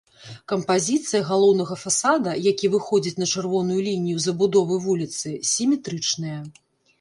Кампазіцыя галоўнага фасада, які выходзіць на чырвоную лінію забудовы вуліцы, сіметрычная.